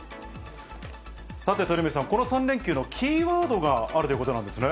さて、鳥海さん、この３連休のキーワードがあるということなんですね。